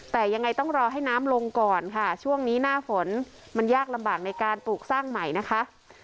แต่ยังไงต้องรอให้น้ำลงก่อนค่ะช่วงนี้หน้าฝนมันยากลำบากในการปลูกสร้างใหม่นะคะ